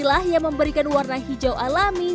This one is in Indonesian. inilah yang memberikan warna hijau alami